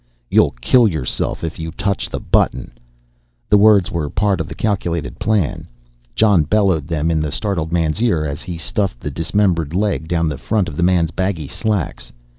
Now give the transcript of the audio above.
"YOU'LL KILL YOURSELF IF YOU TOUCH THE BUTTON!" The words were part of the calculated plan. Jon bellowed them in the startled man's ear as he stuffed the dismembered leg down the front of the man's baggy slacks.